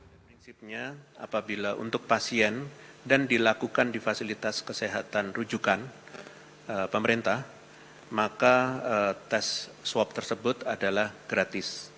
pada prinsipnya apabila untuk pasien dan dilakukan di fasilitas kesehatan rujukan pemerintah maka tes swab tersebut adalah gratis